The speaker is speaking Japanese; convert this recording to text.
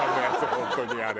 本当にあれ。